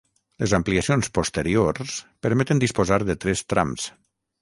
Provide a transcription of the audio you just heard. Les ampliacions posteriors permeten disposar de tres trams.